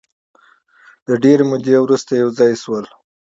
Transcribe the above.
د ډېرې مودې وروسته یو ځای شول.